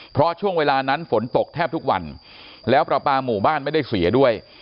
เพราะช่วงเวลานั้นฝนตกแทบทุกวันแล้วปลาปลาหมู่บ้านไม่ได้เสียด้วย